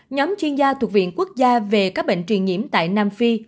nhóm chuyên gia thuộc viện quốc gia về các bệnh truyền nhiễm tại nam phi